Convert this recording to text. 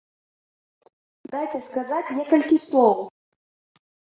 Дайце сказаць некалькі слоў!